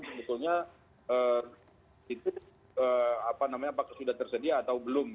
sebetulnya itu apa namanya apakah sudah tersedia atau belum